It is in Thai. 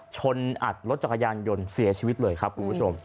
อัดรถจักรยานยนต์เสียชีวิตเลยครับคุณผู้ชม